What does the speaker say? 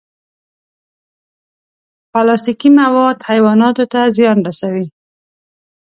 پلاستيکي مواد حیواناتو ته زیان رسوي.